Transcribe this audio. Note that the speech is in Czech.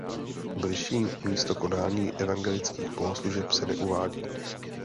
Bližší místo konání evangelických bohoslužeb se neuvádí.